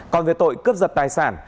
còn về tội cướp giật tài sản